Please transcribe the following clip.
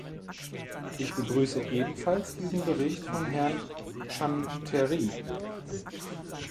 Ich begrüße ebenfalls diesen Bericht von Herrn Chanterie.